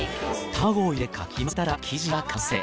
卵を入れかき混ぜたら生地が完成。